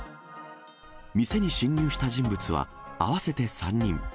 店に侵入した人物は、合わせて３人。